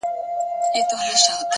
صادق چلند اوږدمهاله باور زېږوي.!